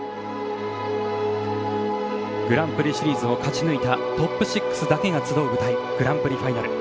グランプリシリーズを勝ち抜いたトップ６だけが集い舞台グランプリファイナル。